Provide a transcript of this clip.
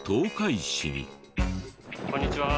こんにちは。